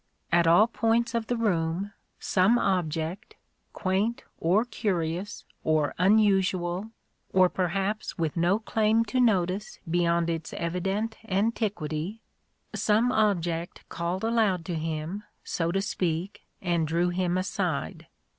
At all points of the room, some object, — quaint, or curious, or unusual, or perhaps with no claim to notice beyond its evident antiquity, — some object called aloud to him, so to speak, and drew him aside.